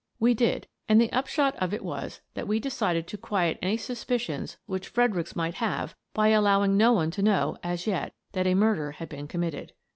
We did, and the upshot of it was that we decided to quiet any suspicions which Fredericks might have by allowing no one to know, as yet, that a murder had been committed.